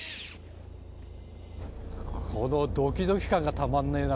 このドキドキ感がたまんねぇな